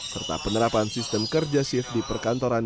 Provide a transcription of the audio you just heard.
serta penerapan sistem kerja shift di perkantoran